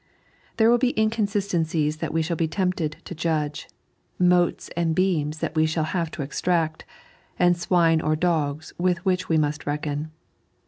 There will be inconsistencies that we shall be tempt«d to judge, motes and beams that we shall have to extract, and swine or dogs with which we must reckon.